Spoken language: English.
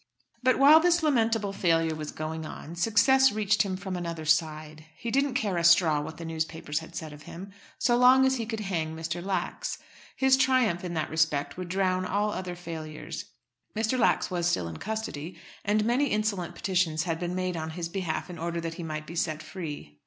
But while this lamentable failure was going on, success reached him from another side. He didn't care a straw what the newspapers said of him, so long as he could hang Mr. Lax. His triumph in that respect would drown all other failures. Mr. Lax was still in custody, and many insolent petitions had been made on his behalf in order that he might be set free.